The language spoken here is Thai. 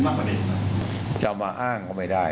มันจะอาจจะกังวลไหมครับว่าการจะตั้งทะวันขึ้นมากกว่าเดิม